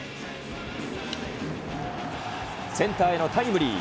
センターへのタイムリー。